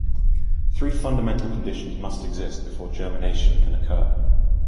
Three fundamental conditions must exist before germination can occur.